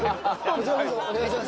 こちらこそお願いします。